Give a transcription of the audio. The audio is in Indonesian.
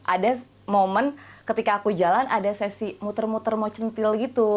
ada momen ketika aku jalan ada sesi muter muter mau centil gitu